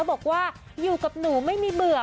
บอกว่าอยู่กับหนูไม่มีเบื่อ